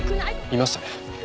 いましたね。